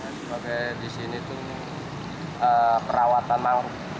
sebagai disini itu perawatan mangrup